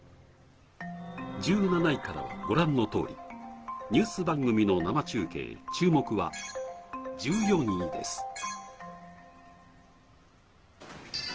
１７位からはご覧のとおりニュース番組の生中継注目は１４位です